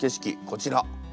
こちら。